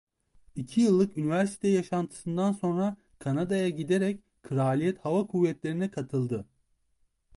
İki yıllık üniversite yaşantısından sonra Kanada'ya giderek "Kraliyet Hava Kuvvetleri"'ne katıldı.